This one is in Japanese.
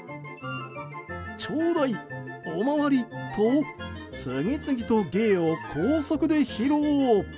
ちょうだい、おまわりと次々と芸を高速で披露。